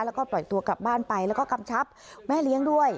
แล้วก็ปล่อยตัวกลับบ้านไปแล้วก็กำชับแม่เลี้ยงด้วย